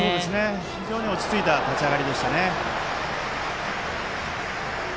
非常に落ち着いた立ち上がりでしたね。